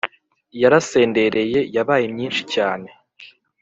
yarasendereye (yabaye myinshi cyane)